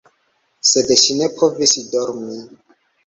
Sed ŝi ne povis dormi.